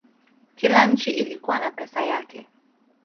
Kila nchi ilikuwa na pesa yake.